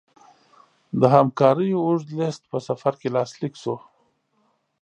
د همکاریو اوږد لېست په سفر کې لاسلیک شو.